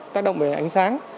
tác động về ánh sáng